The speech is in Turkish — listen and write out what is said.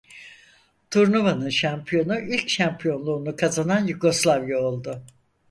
Turnuvanın şampiyonu ilk şampiyonluğunu kazanan Yugoslavya oldu.